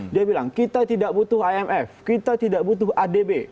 dia bilang kita tidak butuh imf kita tidak butuh adb